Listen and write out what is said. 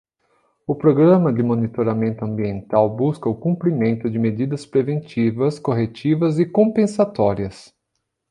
O programa de monitoramento ambiental busca o cumprimento de medidas preventivas, corretivas e compensatórias.